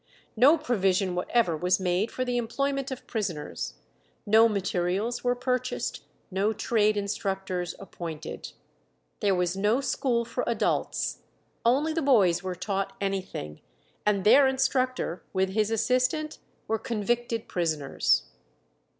No provision whatever was made for the employment of prisoners, no materials were purchased, no trade instructors appointed. There was no school for adults; only the boys were taught anything, and their instructor, with his assistant, were convicted prisoners.